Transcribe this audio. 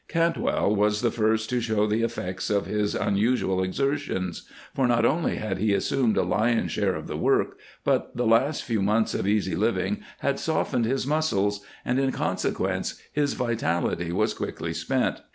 Cantwell was the first to show the effects of his unusual exertions, for not only had he assumed a lion's share of the work, but the last few months of easy living had softened his muscles, and in consequence his vitality was quickly spent.